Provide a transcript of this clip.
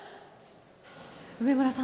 梅村さん